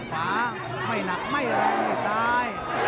โหดแก้งขวาโหดแก้งขวา